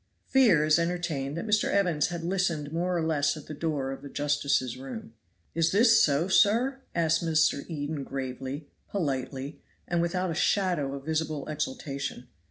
Fear is entertained that Mr. Evans had listened more or less at the door of the justices' room. "Is this so, sir?" asked Mr. Eden gravely, politely, and without a shadow of visible exultation.